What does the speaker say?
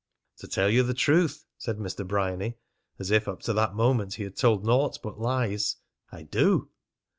"To tell you the truth," said Mr. Bryany as if up to that moment he had told naught but lies, "I do."